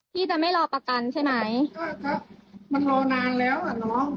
พี่จะไม่รอประกันใช่ไหมน่ะครับมันรอนานแล้วน้อง